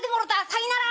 さいなら」。